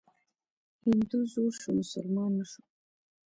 هندو زوړ شو، مسلمان نه شو.